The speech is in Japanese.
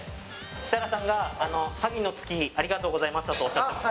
設楽さんが萩の月ありがとうございましたとおっしゃってます